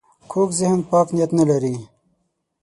کوږ ذهن پاک نیت نه لري